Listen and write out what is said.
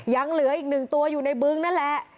ยังเหลืออีกหนึ่งตัวอยู่ในบึงนั่นแหละ